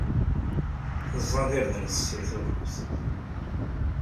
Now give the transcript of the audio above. Teẓẓad irden s tessirt ufus.